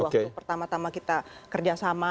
waktu pertama tama kita kerjasama